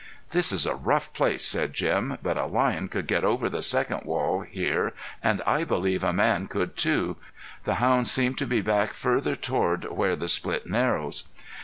"This is a rough place," said Jim; "but a lion could get over the second wall here, an' I believe a man could too. The hounds seemed to be back further toward where the split narrows."